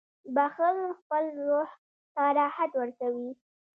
• بخښل خپل روح ته راحت ورکوي.